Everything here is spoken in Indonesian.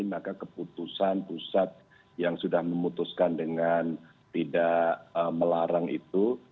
maka keputusan pusat yang sudah memutuskan dengan tidak melarang itu